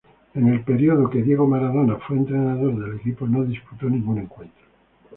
En el período que Diego Maradona fue entrenador del equipo no disputó ningún encuentro.